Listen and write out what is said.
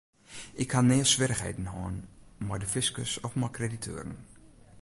Ik ha nea swierrichheden hân mei de fiskus of mei krediteuren.